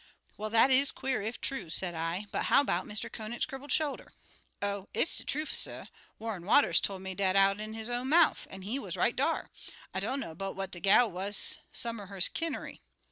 "Well, that is queer, if true," said I, "but how about Mr. Conant's crippled shoulder?" "Oh, it's de trufe, suh. Warren Waters tol' me dat out'n his own mouf, an' he wuz right dar. I dunno but what de gal wuz some er his kinnery.